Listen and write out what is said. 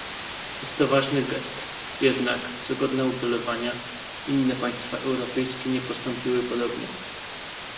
Jest to ważny gest, jednak, co godne ubolewania, inne państwa europejskie nie postąpiły podobnie